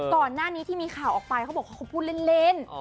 ก่อนหน้านี้ที่มีข่าวออกไปเขาบอกว่าเขาพูดเล่น